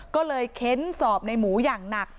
ก็เลยเค้นสอบในหมูอย่างหนัก